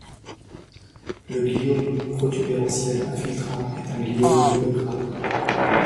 Le gliome protubérantiel infiltrant est un gliome de haut grade.